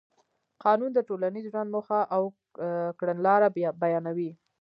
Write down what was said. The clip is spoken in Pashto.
قانون د ټولنیز ژوند موخه او کړنلاره بیانوي.